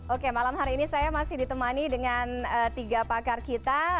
oke malam hari ini saya masih ditemani dengan tiga pakar kita